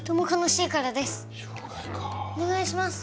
お願いします